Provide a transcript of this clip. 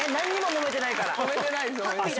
揉めてないです。